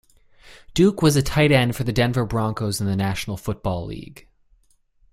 Duke was a tight end for the Denver Broncos in the National Football League.